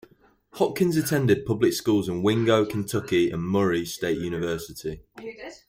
Hopkins attended public schools in Wingo, Kentucky and Murray State University.